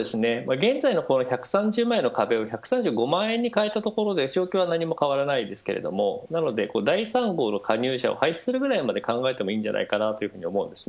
現在の１３０万円の壁を１３５万円に変えたところで状況は何も変わらないですけど第３号の加入者を廃止するぐらいまで考えてもいいかなと思います。